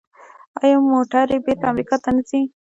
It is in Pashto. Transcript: آیا موټرې بیرته امریکا ته نه ځي؟